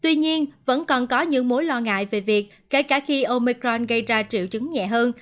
tuy nhiên vẫn còn có những mối lo ngại về việc kể cả khi omicron gây ra triệu chứng nhẹ hơn